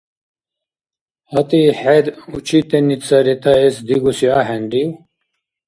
Гьатӏи, хӏед учительница ретаэс дигуси ахӏенрив?